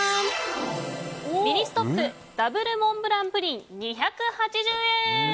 ミニストップＷモンブランプリン、２８０円。